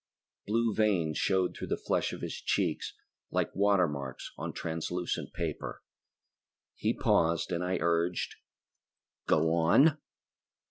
Blue veins showed through the flesh of his cheeks like watermarks on translucent paper. He paused and I urged, "Go on."